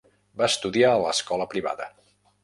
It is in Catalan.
Va estudiar a l'escola privada.